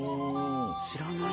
知らないな。